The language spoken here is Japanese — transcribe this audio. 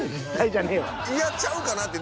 嫌ちゃうかな？って。